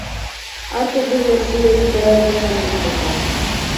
Ар түрдүү нерселерди даярдасам деп жатам.